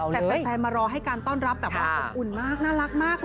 แต่แฟนมารอให้การต้อนรับอุ่นมากน่ารักมาก